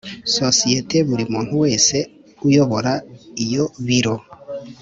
sosiyete buri muntu wese uyobora iyo biro